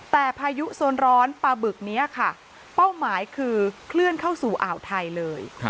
แต่พายุโซนร้อนปลาบึกนี้ค่ะเป้าหมายคือเคลื่อนเข้าสู่อ่าวไทยเลย